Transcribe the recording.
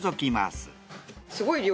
すごい量。